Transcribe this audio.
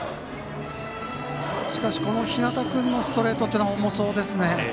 しかし、この日當君のストレートは重そうですね。